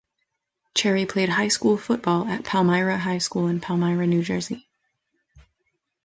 Cherry played high school football at Palmyra High School in Palmyra, New Jersey.